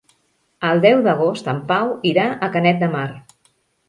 El deu d'agost en Pau irà a Canet de Mar.